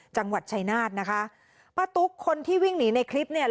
จังหวัดชายนาฏนะคะป้าตุ๊กคนที่วิ่งหนีในคลิปเนี่ย